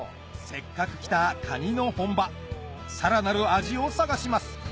せっかく来たカニの本場さらなる味を探します